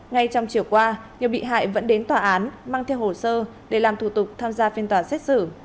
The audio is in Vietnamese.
ngay trong chiều qua nhiều bị hại vẫn đến tòa án mang theo hồ sơ để làm thủ tục tham gia phiên tòa xét xử